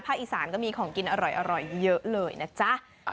อีสานก็มีของกินอร่อยเยอะเลยนะจ๊ะ